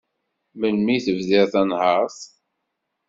Melmi i tebdiḍ tanhert?